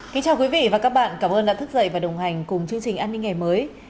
kính chào quý vị và các bạn cảm ơn đã thức dậy và đồng hành cùng chương trình an ninh ngày mới